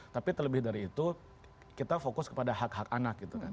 tapi terlebih dari itu kita fokus kepada hak hak anak gitu kan